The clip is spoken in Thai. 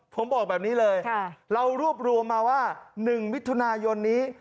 ผมบอกแบบนี้เลยเรารวบรวมมาว่า๑มิถุนายนนี้